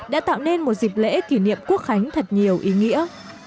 đã tạo nên một dịp lễ kỷ niệm quốc khánh thật nhiều ý nghĩa